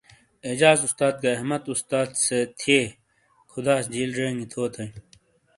اعجاز استاس گہ احمد استاس سے تھئیے، خداس جیل زینگئ تھو تئی۔